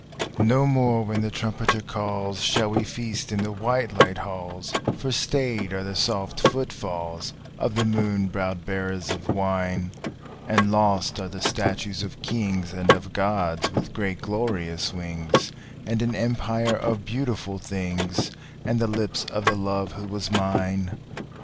No more when the trumpeter calls shall we feast in the white light halls; For stayed are the soft footfalls of the moon browed bearers of wine, And lost are the statues of Kings and of Gods with great glorious wings, And an empire of beautiful things, and the lips of the love who was mine.